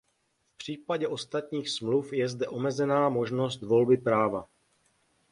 V případě ostatních smluv je zde omezená možnost volby práva.